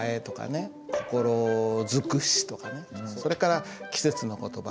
例えばそれから季節の言葉。